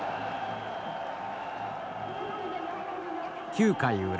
９回裏。